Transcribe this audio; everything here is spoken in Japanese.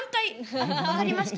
「あっ分かりました。